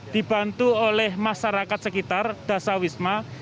dibantu oleh masyarakat sekitar dasawisma